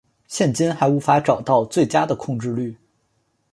现今还无法找到最佳的控制律。